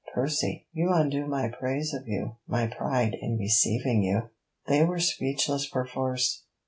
Percy.. you undo my praise of you my pride in receiving you.' They were speechless perforce.